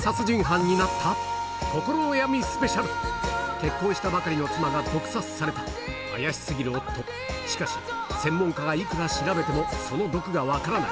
結婚したばかりの妻が毒殺された怪し過ぎる夫しかし専門家がいくら調べてもその毒が分からない